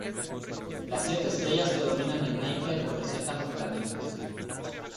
Las siete estrellas que dominan el naipe representan los planetas.